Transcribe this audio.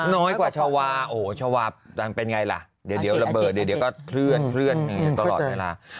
น้อยกว่าชาวาโอ้โหชาวาดังเป็นไงล่ะเดี๋ยวระเบิดเดี๋ยวก็เคลื่อนตลอดเวลา